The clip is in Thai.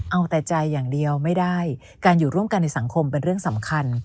เอาแต่ใจอย่างเดียวไม่ได้การอยู่ร่วมกันในสังคมเป็นเรื่องสำคัญ